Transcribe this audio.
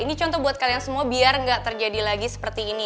ini contoh buat kalian semua biar nggak terjadi lagi seperti ini